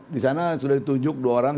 di sana sudah ditunjuk dua orang